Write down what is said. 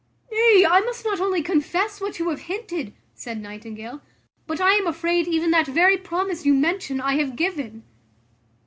"Nay, I must not only confess what you have hinted," said Nightingale; "but I am afraid even that very promise you mention I have given."